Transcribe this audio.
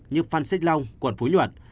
như phan xích long quận phú nhuận